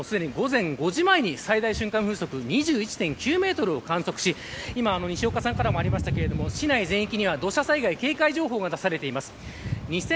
宮崎市内はすでに午前５時前に最大瞬間風速２１．９メートルを観測し今、西岡さんからもありましたが市内全域など災害警戒情報が出されています。